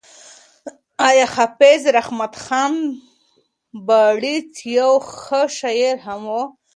ایا حافظ رحمت خان بړیڅ یو ښه شاعر هم و؟